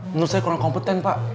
menurut saya kurang kompeten pak